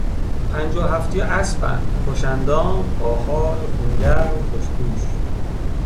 پنجاه و هفتیا اسبن، خوش اندام، با حال، خون گرم، خوش پوش